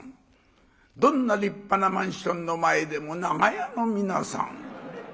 どんな立派なマンションの前でも「長屋の皆さん」。